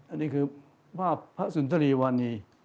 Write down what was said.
อันนี้คือภาพพระสุนทรีวานี